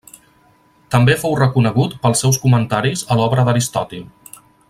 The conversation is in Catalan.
També fou reconegut pels seus comentaris a l'obra d'Aristòtil.